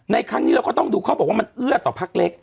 ในครั้งนี้เราก็ต้องดูเขาบอกว่ามันเอื้อต่อพักเล็ก